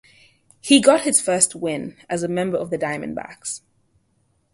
He got his first win as a member of the Diamondbacks.